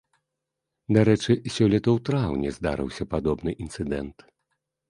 Дарэчы, сёлета ў траўні здарыўся падобны інцыдэнт.